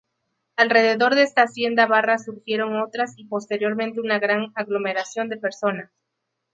Alrededor de esta hacienda Barra surgieron otras y posteriormente una gran aglomeración de personas.